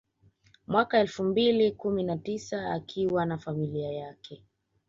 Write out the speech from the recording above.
Mwaka elfu mbili kumi na tisa akiwa na familia yake